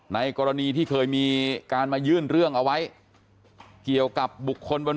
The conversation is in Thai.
ในกรณีที่เคยมีการมายื่นเรื่องเอาไว้เกี่ยวกับบุคคลบน